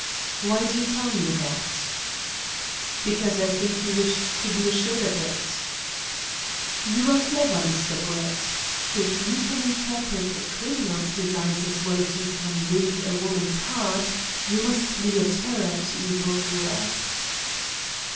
"Why do you tell me that?" "Because I think you wished to be assured of it?" "You are clever, Mr. Brett. If you can interpret a criminal's designs as well as you can read a woman's heart you must be a terror to evil doers."